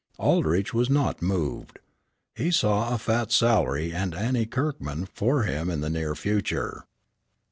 Aldrich was not moved. He saw a fat salary and Annie Kirkman for him in the near future.